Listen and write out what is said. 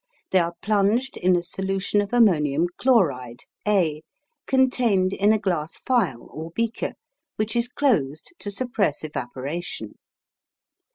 They are plunged in a solution of ammonium chloride A, contained in a glass phial or beaker, which is closed to suppress evaporation.